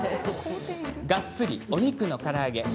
がっつりお肉の揚げ物。